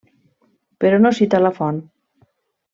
Però no cita la font.